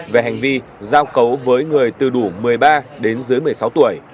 về hành vi giao cấu với người từ đủ một mươi ba đến dưới một mươi sáu tuổi